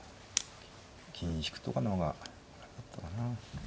銀引くとかの方がよかったかな。